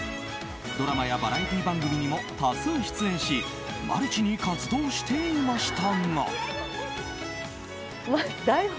ドラマやバラエティー番組にも多数出演しマルチに活動していましたが。